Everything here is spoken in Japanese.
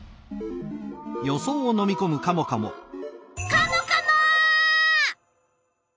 カモカモ！